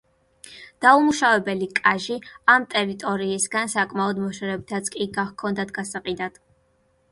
დაუმუშავებელი კაჟი ამ ტერიტორიისგან საკმაოდ მოშორებითაც კი გაჰქონდათ გასაყიდად.